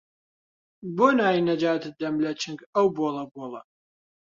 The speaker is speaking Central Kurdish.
بۆ نایەی نەجاتت دەم لە چنگ ئەو بۆڵە بۆڵە